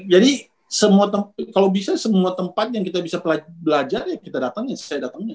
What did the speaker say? jadi kalau bisa semua tempat yang kita bisa belajar ya kita datangnya saya datangnya